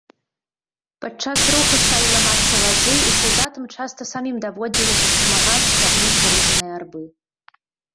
Падчас руху сталі ламацца вазы, і салдатам часта самім даводзілася дапамагаць цягнуць гружаныя арбы.